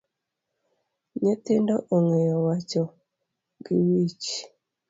Nyithindo ong’eyo wacho gi wich